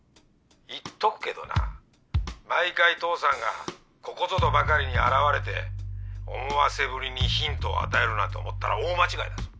言っとくけどな毎回父さんがここぞとばかりに現れて思わせぶりにヒントを与えるなんて思ったら大間違いだぞ！